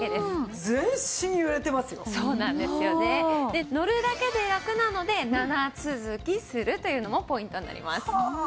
で乗るだけでラクなので長続きするというのもポイントになります。